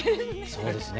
そうですね。